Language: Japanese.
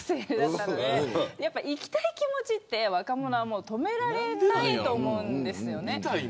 行きたい気持ちって若者は止められないと思うんですよね。